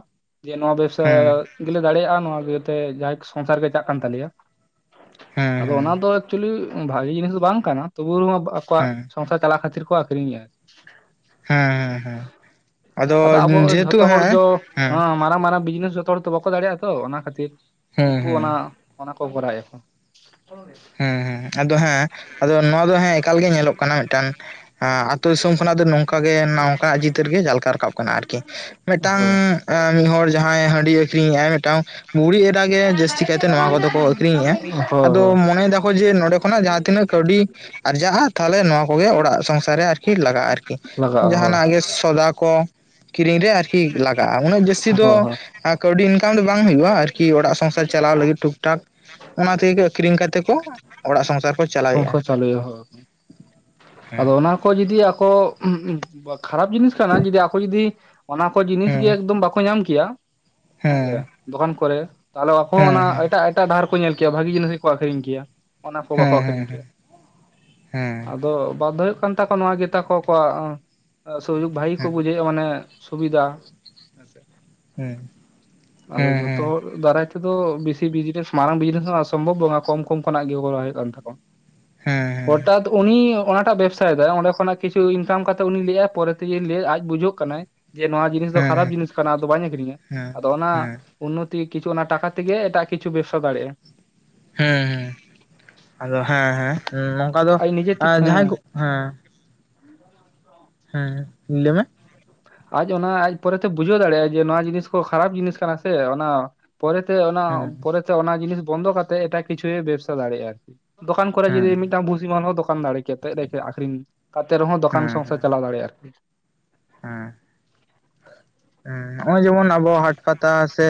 ᱡᱮ ᱱᱚᱣᱟ ᱵᱮᱵᱥᱟ ᱦᱮᱸ ᱜᱮᱞᱮ ᱫᱟᱲᱮᱭᱟᱜᱼᱟ ᱱᱚᱣᱟ ᱤᱭᱟᱹᱛᱮ ᱡᱟᱦᱟᱸ ᱥᱚᱝᱥᱟᱨ ᱜᱮ ᱪᱟᱜ ᱠᱟᱱ ᱛᱟᱞᱮᱭᱟ ᱦᱮᱸ ᱟᱫᱚ ᱚᱱᱟ ᱦᱮᱸ ᱫᱚ ᱮᱠᱪᱚᱞᱤ ᱵᱷᱟᱜᱤ ᱡᱤᱱᱤᱥ ᱫᱚ ᱵᱟᱝ ᱠᱟᱱᱟ ᱛᱚᱵᱩ ᱦᱚᱸ ᱟᱠᱚᱣᱟᱜ ᱦᱮᱸ ᱥᱚᱝᱥᱟᱨ ᱪᱟᱞᱟᱜ ᱠᱷᱟᱹᱛᱤᱨ ᱠᱚ ᱟᱠᱷᱨᱤᱧ ᱮᱭᱟ ᱟᱨ ᱦᱩᱸ ᱦᱩᱸ ᱟᱫᱚ ᱟᱵᱚ ᱡᱮᱦᱮᱛᱩ ᱡᱷᱚᱛᱚ ᱦᱚᱲ ᱦᱮᱸ ᱫᱚ ᱦᱮᱸ ᱦᱚᱸ ᱢᱟᱨᱟᱝ ᱢᱟᱨᱟᱝ ᱵᱤᱡᱽᱱᱮᱥ ᱡᱚᱛᱚ ᱦᱚᱲ ᱫᱚ ᱵᱟᱠᱚ ᱫᱟᱲᱮᱭᱟᱜᱼᱟ ᱛᱚ ᱚᱱᱟ ᱠᱷᱟᱹᱛᱤᱨ ᱦᱮᱸ ᱩᱱᱠᱩ ᱦᱮᱸ ᱚᱱᱟ ᱚᱱᱟ ᱠᱚ ᱠᱚᱨᱟᱣ ᱭᱟᱠᱚ ᱦᱩᱸ ᱦᱩᱸ ᱟᱫᱚ ᱦᱮᱸ ᱟᱫᱚ ᱱᱚᱣᱟ ᱫᱚ ᱦᱮᱸ ᱮᱠᱟᱞ ᱜᱮ ᱧᱮᱞᱚᱜ ᱠᱟᱱᱟ ᱢᱤᱫᱴᱟᱝ ᱟᱹᱛᱩ ᱫᱤᱥᱚᱢ ᱠᱷᱚᱱᱟᱜ ᱫᱚ ᱱᱚᱝᱠᱟ ᱜᱮ ᱱᱚᱝᱠᱟᱱᱟᱜ ᱪᱤᱛᱟᱹᱨ ᱜᱮ ᱡᱷᱟᱞᱠᱟᱣ ᱨᱟᱠᱟᱵ ᱠᱟᱱᱟ ᱟᱨᱠᱤ ᱢᱤᱫᱴᱟᱝ ᱦᱳᱭ ᱢᱤᱫᱦᱚᱲ ᱡᱟᱦᱟᱸᱭ ᱦᱟᱺᱰᱤ ᱟᱠᱷᱨᱤᱧ ᱮᱜᱼᱟᱭ ᱢᱤᱫᱴᱟᱝ ᱵᱩᱲᱦᱤ ᱮᱨᱟᱟᱜᱮ ᱡᱟᱹᱥᱛᱤ ᱠᱟᱭᱛᱮ ᱱᱚᱣᱟ ᱠᱚᱫᱚ ᱠᱚ ᱟᱠᱷᱨᱤᱧᱮᱜᱼᱟ ᱦᱳᱭ ᱦᱳᱭ ᱛᱤᱱᱟᱹᱜ ᱠᱟᱹᱣᱰᱤ ᱟᱨᱡᱟᱜᱼᱟ ᱛᱟᱦᱚᱞᱮ ᱱᱚᱣᱟ ᱠᱚᱜᱮ ᱚᱲᱟᱜ ᱥᱚᱝᱥᱟᱨ ᱨᱮ ᱟᱨᱠᱤ ᱞᱟᱜᱟᱜᱼᱟ ᱟᱨᱠᱤ [unintelligible] ᱞᱟᱜᱟᱜᱼᱟ ᱦᱳᱭ ᱡᱟᱦᱟᱱᱟᱜ ᱥᱚᱫᱟ ᱠᱚ ᱠᱤᱨᱤᱧ ᱨᱮ ᱟᱨᱠᱤ ᱞᱟᱜᱟᱜᱼᱟ ᱩᱱᱟᱹᱜ ᱡᱟᱹᱥᱛᱤ ᱦᱳᱭ ᱫᱚ ᱦᱳᱭ ᱦᱮᱸ ᱠᱟᱹᱣᱰᱤ ᱤᱱᱠᱟᱢ ᱫᱚ ᱵᱟᱝ ᱦᱩᱭᱩᱜᱼᱟ ᱟᱨᱠᱤ ᱚᱲᱟᱜ ᱥᱚᱝᱥᱟᱨ ᱪᱟᱞᱟᱣ ᱞᱟᱹᱜᱤᱫ ᱴᱷᱤᱠᱼ ᱴᱷᱟᱠ ᱚᱱᱟ ᱛᱮᱜᱮ ᱟᱠᱷᱨᱤᱧ ᱠᱟᱛᱮ ᱠᱚ ᱚᱲᱟᱜ ᱥᱚᱝᱥᱟᱨ ᱠᱚ ᱪᱟᱞᱟᱣᱮᱫᱼᱟ ᱪᱟᱣᱞᱮ [unintelligible] ᱟᱫᱚ ᱚᱱᱟ ᱠᱚ ᱡᱩᱫᱤ ᱟᱠᱚ ᱠᱷᱟᱨᱟᱯ ᱡᱤᱱᱤᱥ ᱠᱟᱱᱟ ᱡᱩᱫᱤ ᱟᱠᱚ ᱡᱩᱫᱤ ᱚᱱᱟ ᱠᱚ ᱡᱤᱱᱤᱥ ᱜᱮ ᱦᱮᱸ ᱮᱠᱫᱚᱢ ᱵᱟᱠᱚ ᱧᱟᱢ ᱠᱮᱭᱟ ᱦᱮᱸᱥᱮ ᱦᱮᱸ ᱫᱚᱠᱟᱱ ᱠᱚᱨᱮ ᱛᱟᱦᱚᱞᱮ ᱟᱠᱚ ᱦᱚᱸ ᱦᱮᱸ ᱚᱱᱟ ᱦᱮᱸ ᱮᱴᱟᱜ ᱮᱴᱟᱜ ᱰᱟᱦᱟᱨ ᱠᱚ ᱧᱮᱞ ᱠᱮᱭᱟ ᱵᱷᱟᱹᱜᱤ ᱡᱤᱱᱤᱥ ᱜᱮᱠᱚ ᱟᱠᱷᱨᱤᱧ ᱠᱮᱭᱟ ᱚᱱᱟ ᱠᱚ ᱵᱟᱠᱚ ᱦᱮᱸ ᱟᱠᱷᱨᱤᱧ ᱦᱮᱸ ᱦᱮᱸ ᱠᱮᱭᱟ ᱟᱫᱚ ᱵᱟᱫᱽᱫᱚ ᱦᱩᱭᱩᱜ ᱠᱟᱱ ᱛᱟᱠᱚᱣᱟ ᱱᱚᱶᱟ ᱜᱮ ᱛᱟᱠᱚ ᱠᱚᱣᱟᱜ ᱥᱩᱡᱩᱠ ᱵᱷᱟᱹᱜᱤ ᱦᱮᱸ ᱵᱩᱡᱷᱟᱹᱣ ᱢᱟᱱᱮ ᱥᱩᱵᱤᱫᱷᱟ ᱦᱮᱸ ᱦᱮᱸ ᱟᱫᱚ ᱡᱷᱚᱛᱚ ᱦᱮᱸ ᱫᱟᱨᱟᱭ ᱛᱮᱫᱚ ᱵᱮᱥᱤ ᱵᱤᱡᱽᱱᱮᱥ ᱢᱟᱨᱟᱝ ᱵᱤᱡᱽᱱᱮᱥ ᱦᱚᱸ ᱥᱚᱢᱵᱷᱚᱵ ᱵᱟᱝᱼᱟ ᱠᱚᱢ ᱠᱚᱢ ᱠᱷᱚᱱᱟᱜ ᱜᱮ ᱠᱚᱨᱟᱣ ᱦᱩᱭᱩᱜ ᱠᱟᱱ ᱛᱟᱠᱚᱣᱟ ᱦᱩᱸ ᱦᱚᱴᱟᱫ ᱩᱱᱤ ᱚᱱᱟᱴᱟᱜ ᱵᱮᱵᱽᱥᱟᱭ ᱮᱫᱟᱭ ᱚᱸᱰᱮ ᱠᱷᱚᱱᱟᱜ ᱠᱤᱪᱷᱩ ᱤᱱᱠᱟᱢ ᱠᱟᱛᱮ ᱩᱱᱤᱭ ᱞᱟᱹᱭᱟᱭ ᱯᱚᱨᱮ ᱛᱮᱜᱮ ᱞᱟᱹᱭᱮᱫ ᱵᱩᱡᱷᱟᱹᱜ ᱠᱟᱱᱟᱭ ᱡᱮ ᱱᱚᱣᱟ ᱡᱤᱱᱤᱥ ᱫᱚ ᱦᱮᱸ ᱠᱷᱟᱨᱟᱯ ᱡᱤᱱᱤᱥ ᱟᱫᱚ ᱵᱟᱹᱧ ᱟᱠᱷᱨᱤᱧᱟ ᱟᱫᱚ ᱚᱱᱟ ᱦᱮᱸ ᱦᱮᱸ ᱩᱱᱱᱚᱛᱤ ᱠᱤᱪᱷᱩ ᱚᱱᱟ ᱴᱟᱠᱟ ᱛᱮᱜᱮ ᱮᱴᱟᱜ ᱠᱤᱪᱷᱩ ᱵᱮᱵᱽᱥᱟ ᱫᱟᱲᱮᱭᱟᱜᱼᱟ ᱦᱩᱸ ᱦᱩᱸ ᱟᱫᱚ ᱦᱮᱸ ᱦᱮᱸ ᱱᱚᱝᱠᱟ ᱫᱚ ᱟᱡ ᱱᱤᱡᱮ ᱛᱮ ᱦᱮᱸ ᱡᱟᱦᱟᱸᱭ ᱠᱚ ᱦᱮᱸ ᱦᱩᱸ ᱞᱟᱹᱭ ᱢᱮ ᱟᱡ ᱚᱱᱟ ᱟᱡ ᱯᱚᱨᱮ ᱛᱮ ᱵᱩᱡᱷᱟᱹᱣ ᱫᱟᱲᱮᱭᱟᱜᱼᱟ ᱡᱮ ᱱᱚᱣᱟ ᱡᱤᱱᱤᱥ ᱠᱚ ᱠᱷᱟᱨᱟᱯ ᱡᱤᱱᱤᱥ ᱠᱟᱱᱟ ᱥᱮ ᱚᱱᱟ ᱯᱚᱨᱮᱛᱮ ᱚᱱᱟ ᱦᱮᱸ ᱯᱚᱨᱮᱛᱮ ᱚᱱᱟ ᱡᱤᱱᱤᱥ ᱵᱚᱱᱫᱚ ᱠᱟᱛᱮ ᱮᱴᱟᱜ ᱠᱤᱪᱷᱩᱭ ᱵᱮᱵᱽᱥᱟ ᱫᱟᱲᱮᱭᱟᱜᱼᱟ ᱟᱨᱠᱤ ᱫᱚᱠᱟᱱ ᱠᱚᱨᱮ ᱦᱮᱸ ᱡᱩᱫᱤ ᱢᱤᱫᱴᱟᱝ ᱵᱷᱩᱥᱤ ᱢᱟᱞ ᱦᱚᱸ ᱫᱚᱠᱟᱱ ᱫᱟᱲᱮ ᱠᱮ ᱟᱠᱷᱨᱤᱧ ᱚᱱᱠᱟ ᱠᱟᱛᱮᱫ ᱨᱮᱦᱚᱸ ᱦᱮᱸ ᱫᱚᱠᱟᱱ ᱦᱮᱸ ᱥᱚᱝᱥᱟᱨ ᱪᱟᱞᱟᱣ ᱫᱟᱲᱮᱭᱟᱜᱼᱟ ᱟᱨ ᱠᱤ ᱦᱮᱸ ᱦᱮᱸ ᱱᱚᱜᱼᱚᱭ ᱡᱮᱢᱚᱱ ᱟᱵᱚ ᱦᱟᱴ ᱯᱟᱛᱟ ᱥᱮ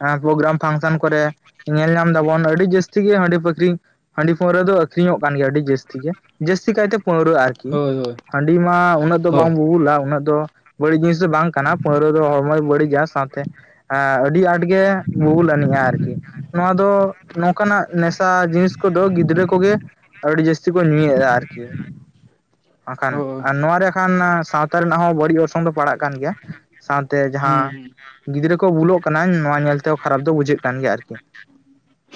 ᱦᱮᱸ ᱯᱨᱳᱜᱨᱟᱢ ᱯᱷᱟᱱᱥᱮᱱ ᱠᱚᱨᱮ ᱧᱮᱞ ᱧᱟᱢ ᱫᱟᱵᱚᱱ ᱟᱹᱰᱤ ᱡᱟᱹᱥᱛᱤ ᱜᱮ ᱦᱟᱺᱰᱤ ᱵᱟᱴᱤ ᱦᱟᱹᱰᱤ ᱯᱟᱹᱣᱨᱟᱹ ᱫᱚ ᱟᱹᱠᱷᱨᱤᱧᱚᱜ ᱠᱟᱱ ᱜᱮᱭᱟ ᱟᱹᱰᱤ ᱡᱟᱥᱛᱤ ᱴᱷᱤᱠᱜᱮᱭᱟ ᱡᱟᱹᱥᱛᱤ ᱠᱟᱹᱭᱛᱮ ᱯᱟᱹᱣᱨᱟᱹ ᱟᱨᱠᱤ ᱦᱳᱭ ᱦᱳᱭ ᱦᱟᱺᱰᱤ ᱢᱟ ᱩᱱᱟᱹᱜ ᱫᱚ ᱵᱟᱝ ᱦᱳᱭ ᱵᱩᱵᱩᱞᱟ ᱩᱱᱟᱹᱜ ᱫᱚ᱾ ᱵᱟᱹᱲᱤᱡ ᱡᱤᱱᱤᱥ ᱫᱚ ᱵᱟᱝ ᱠᱟᱱᱟ, ᱯᱟᱹᱣᱨᱟᱹ ᱫᱚ ᱦᱚᱲᱢᱚᱭ ᱵᱟᱹᱲᱤᱡᱟ ᱥᱟᱶᱛᱮ ᱟ ᱟᱹᱰᱤ ᱟᱸᱴᱜᱮ ᱵᱩᱵᱩᱞ ᱟᱹᱱᱤᱡᱼᱟ ᱟᱨᱠᱤ, ᱱᱚᱣᱟ ᱫᱚ ᱱᱚᱝᱠᱟᱱᱟᱜ ᱱᱮᱥᱟ ᱡᱤᱱᱤᱥ ᱠᱚᱫᱚ ᱜᱤᱫᱽᱨᱟᱹ ᱠᱚᱜᱮ, ᱟᱹᱰᱤ ᱡᱟᱹᱥᱛᱤ ᱠᱚ ᱧᱩᱭᱮᱜᱼᱟ ᱟᱨᱠᱤ ᱦᱟᱝ ᱠᱷᱟᱱ ᱦᱳᱭ ᱟᱨ ᱱᱚᱣᱟᱨᱮ ᱠᱷᱟᱱ ᱥᱟᱶᱛᱟ ᱨᱮᱱᱟᱜ ᱦᱚᱸ ᱵᱟᱹᱲᱤᱡ ᱚᱨᱥᱚᱝ ᱫᱚ ᱯᱟᱲᱟᱜ ᱠᱟᱱ ᱜᱮᱭᱟ᱾ ᱥᱟᱶᱛᱮ ᱦᱩᱸ ᱡᱟᱦᱟᱸ, ᱦᱩᱸ ᱜᱤᱫᱽᱨᱟᱹ ᱠᱚ ᱵᱩᱞᱚᱜ ᱠᱟᱱᱟ ᱱᱚᱣᱟ ᱧᱮᱞᱛᱮ ᱠᱷᱟᱨᱟᱯ ᱫᱚ ᱵᱩᱡᱷᱟᱹᱜ ᱠᱟᱱ ᱜᱮᱭᱟ ᱟᱨᱠᱤ᱾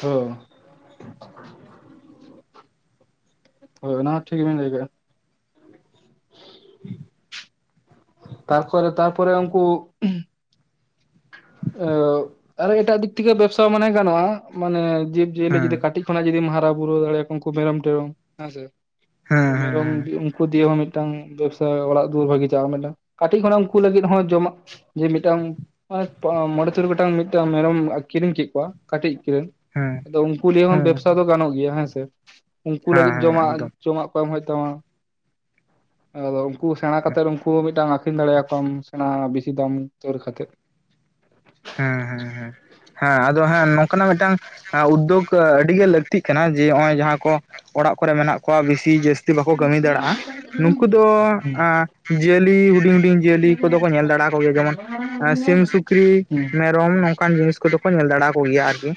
ᱦᱚᱸ ᱦᱳ ᱚᱱᱟ ᱴᱷᱤᱠᱵᱤᱱ ᱞᱟᱹᱭ ᱠᱟᱜᱼᱟ ᱾ ᱛᱟᱠᱚᱨᱮ ᱛᱟᱯᱚᱨᱮ ᱩᱝᱠᱩ ᱟᱣ ᱟᱨᱚ ᱮᱴᱟᱜ ᱫᱤᱠ ᱛᱷᱤᱠᱮ ᱵᱮᱵᱥᱟ ᱢᱟᱱᱮ ᱜᱟᱱᱚᱜᱼᱟ, ᱢᱟᱱᱮ ᱡᱤᱵᱽᱡᱤᱭᱟᱹᱞᱤ ᱡᱩᱫᱤ ᱦᱮᱸ ᱠᱟᱹᱴᱤᱡ ᱠᱷᱚᱱᱟᱜ ᱡᱩᱫᱤᱢ ᱦᱟᱨᱟ ᱵᱩᱨᱩ ᱫᱟᱲᱮᱭᱟᱠᱚᱣᱟ ᱩᱱᱠᱩ ᱢᱮᱨᱚᱢ-ᱴᱮᱨᱚᱢ ᱦᱮᱸ ᱥᱮ, ᱦᱮᱸ ᱦᱮᱸ ᱢᱮᱨᱚᱢ ᱩᱝᱠᱩ ᱫᱤᱭᱮ ᱦᱚᱸ ᱢᱤᱫ ᱢᱤᱫᱴᱟᱝ ᱵᱮᱵᱽᱥᱟ ᱚᱲᱟᱜ ᱫᱩᱣᱟᱹᱨ ᱵᱷᱟᱹᱜᱤ ᱡᱟᱣ ᱠᱟᱛᱮ ᱠᱟᱹᱴᱤᱡ ᱠᱷᱚᱱᱟᱜ ᱩᱱᱠᱩ ᱞᱟᱹᱜᱤᱫ ᱦᱚᱸ ᱡᱚᱢᱟᱜ ᱡᱮ ᱢᱤᱫᱴᱟᱝ ᱢᱚᱬᱮ ᱛᱩᱨᱩᱭ ᱜᱚᱴᱟᱝ ᱢᱤᱫᱴᱟᱝ ᱢᱮᱨᱚᱢ ᱠᱤᱨᱤᱧ ᱠᱮᱫ ᱠᱚᱣᱟ ᱠᱟᱹᱴᱤᱡ ᱨᱮ ᱦᱮᱸ ᱟᱫᱚ ᱩᱝᱠᱩ ᱞᱤᱭᱮ ᱦᱚᱸ ᱦᱮᱸ ᱵᱮᱵᱥᱟ ᱫᱚ ᱜᱟᱱᱚᱜ ᱜᱮᱭᱟ ᱦᱮᱸᱥᱮ, ᱩᱝᱠᱩ ᱦᱮᱸ ᱞᱟᱹᱜᱤᱫ ᱦᱮᱸ ᱡᱚᱢᱟᱜ ᱮᱠᱫᱚᱢ ᱡᱚᱢᱟᱜ ᱠᱚ ᱮᱢ ᱦᱳᱭᱳᱜ ᱛᱟᱢᱟ ᱾ [inaudible] ᱟᱫᱚ ᱩᱝᱠᱩ ᱥᱮᱬᱟ ᱠᱟᱛᱮᱫ ᱩᱝᱠᱩ ᱢᱤᱫᱴᱟᱝ ᱟᱠᱷᱨᱤᱧ ᱫᱟᱲᱮᱭᱟᱠᱚᱣᱟᱢ ᱥᱮᱬᱟ ᱵᱤᱥᱤ ᱫᱟᱢ ᱩᱛᱟᱹᱨ ᱠᱟᱛᱮᱜ᱾ [inaudible] ᱦᱮᱸ ᱦᱮᱸ ᱦᱮᱸ ᱦᱮᱸ ᱟᱫᱚ ᱦᱮᱸ ᱱᱚᱝᱠᱟᱱᱟᱜ ᱢᱤᱫᱴᱟᱝ ᱩᱫᱳᱜ ᱟᱹᱰᱤ ᱜᱮ ᱞᱟᱹᱠ ᱞᱟᱠᱛᱤᱜ ᱠᱟᱱᱟ ᱡᱮ ᱱᱚᱜ ᱚᱚᱭ ᱡᱟᱦᱟᱸ ᱠᱚ ᱚᱲᱟᱜ ᱠᱚᱨᱮ ᱢᱮᱱᱟᱜ ᱠᱚᱣᱟ ᱵᱮᱥᱤ ᱡᱟᱹᱥᱛᱤ ᱵᱟᱠᱚ ᱠᱟᱹᱢᱤ ᱫᱟᱲᱮᱭᱟᱜᱼᱟ᱾ ᱱᱩᱝᱠᱩ ᱫᱚ ᱦᱩᱸ ᱟ ᱡᱤᱭᱟᱹᱞᱤ ᱦᱩᱰᱤᱝ ᱦᱩᱰᱤᱝ ᱡᱤᱭᱟᱹᱞᱤ ᱠᱚᱫᱚ ᱠᱚ ᱧᱮᱞ ᱫᱟᱲᱮᱭᱟ ᱠᱚᱜᱮᱭᱟ ᱡᱮᱢᱚᱱ ᱥᱤᱢ, ᱥᱩᱠᱨᱤ ᱢᱮᱨᱚᱢ ᱱᱚᱝᱠᱟᱱ ᱡᱤᱱ ᱠᱚᱫᱚ ᱠᱚ ᱧᱮᱞ ᱫᱟᱲᱮᱭᱟ ᱠᱚᱜᱮᱭᱟ ᱟᱨᱠᱤ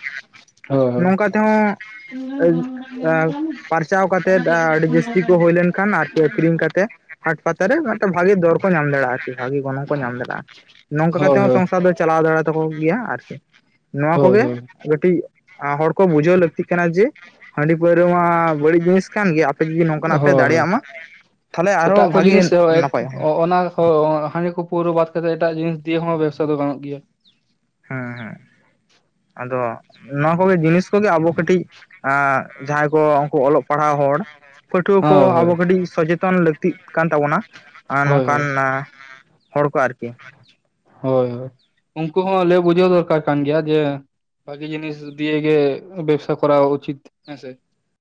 ᱦᱩᱸ ᱦᱳᱭ ᱱᱚᱝᱠᱟ ᱛᱮᱦᱚᱸ ᱯᱟᱨᱪᱟᱣ ᱠᱟ ᱠᱟᱛᱮᱫ ᱟᱹᱰᱤ ᱡᱟᱹᱥᱛᱤ ᱠᱚ ᱦᱳᱭ ᱞᱮᱱᱠᱷᱟᱱ ᱟᱨᱠᱤ ᱟᱠᱷᱨᱤᱧ ᱠᱟᱛᱮᱫ ᱦᱟᱴ ᱯᱟᱛᱟᱨᱮ ᱢᱤᱫᱴᱮᱱ ᱵᱷᱟᱜᱤ ᱫᱚᱨ ᱠᱚ ᱧᱟᱢ ᱫᱟᱲᱮᱭᱟᱜᱼᱟ, ᱟᱨᱠᱤ ᱵᱷᱟᱜᱤ ᱜᱚᱱᱚᱝ ᱠᱚ ᱧᱟᱢ ᱫᱟᱲᱮᱭᱟᱜᱼᱟ᱾ ᱱᱚᱝᱠᱟ ᱠᱟᱛᱮᱜ ᱦᱳᱭ ᱦᱚᱸ ᱦᱳᱭ ᱥᱚᱝᱥᱟᱨ ᱫᱚ ᱪᱟᱞᱟᱣ ᱫᱟᱲᱮ ᱛᱟᱠᱚ ᱜᱤᱭᱟ ᱟᱨᱠᱤ᱾ ᱦᱳᱭ ᱱᱚᱣᱟ ᱦᱳᱭ ᱠᱚᱜᱮ ᱦᱳᱭ ᱠᱟᱹᱴᱤᱡ, ᱦᱚᱲ ᱠᱚ ᱵᱩᱡᱷᱟᱹᱣ ᱞᱟᱹᱠᱛᱤᱜ ᱠᱟᱱᱟ ᱡᱮ ᱦᱟᱺᱰᱤ ᱯᱟᱹᱣᱨᱟᱹ ᱢᱟ ᱵᱟᱹᱲᱤᱡ ᱡᱤᱱᱤᱥ ᱠᱟᱱ ᱜᱮ ᱟᱯᱮ ᱡᱩᱫᱤ ᱱᱚᱝᱠᱟᱱᱟᱜ ᱯᱮ ᱦᱳᱭ ᱦᱳᱭ ᱫᱟᱲᱮᱭᱟᱜ ᱢᱟ᱾ ᱛᱟᱦᱚᱞᱮ ᱮᱴᱟᱜ ᱟᱨᱦᱚᱸ ᱠᱚ ᱵᱷᱟᱜᱮ ᱡᱤᱱᱤᱥ ᱱᱟᱯᱟᱭᱚᱜᱼᱟ ᱦᱮᱸ ᱚ-ᱚᱱᱟ ᱦᱳ ᱦᱟᱺᱰᱤ ᱠᱚ ᱯᱟᱹᱨᱣᱟᱹ ᱵᱟᱫ ᱠᱟᱛᱮᱫ ᱮᱴᱟᱜ ᱡᱤᱱᱤᱥ ᱫᱤᱭᱮ ᱦᱚᱸ ᱵᱮᱵᱥᱟ ᱫᱚ ᱜᱟᱱᱚᱜ ᱜᱮᱭᱟ᱾ ᱦᱮᱸ ᱦᱮᱸ ᱟᱫᱚ ᱱᱚᱣᱟ ᱠᱚᱜᱮ ᱡᱤᱱᱤᱥ ᱠᱚᱜᱮ ᱟᱵᱚ ᱠᱟᱹᱴᱤᱡ ᱟ ᱡᱟᱦᱟᱸᱭ ᱠᱚ ᱩᱝᱠᱩ ᱚᱞᱚᱜ ᱯᱟᱲᱦᱟᱣ ᱦᱚᱲ ᱯᱟᱹᱴᱷᱩᱣᱟᱹ ᱦᱳᱭ ᱠᱚ ᱟᱵᱚ ᱦᱳᱭ ᱠᱟᱹᱴᱤᱡ ᱥᱚᱪᱮᱛᱚᱱ ᱞᱟᱹᱠ ᱛᱤᱜ ᱠᱟᱱ ᱛᱟᱵᱚᱱᱟ ᱟᱨ ᱦᱳᱭ ᱦᱳᱭ ᱱᱚᱝᱠᱟᱱ ᱟ ᱦᱚᱲ ᱠᱚ ᱟᱨᱠᱤ᱾ ᱦᱳᱭ ᱦᱳᱭ ᱩᱝᱠᱩ ᱦᱚᱸ ᱞᱟᱹᱭ ᱵᱩᱡᱷᱟᱹᱣ ᱫᱚᱨᱠᱟᱨ ᱠᱟᱱ ᱜᱮᱭᱟ ᱡᱮ ᱵᱷᱟᱜᱮ ᱡᱤᱱᱤᱥ ᱫᱤᱭ ᱜᱮ ᱵᱮᱵᱥᱟ ᱠᱚ ᱩᱪᱤᱛ ᱦᱮᱸ ᱥᱮ᱾